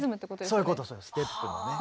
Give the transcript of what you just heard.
そういうことステップのね。